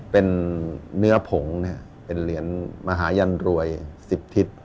เป็นเนื้อผงเป็นเหรียญมหายันรวย๑๐ทิศ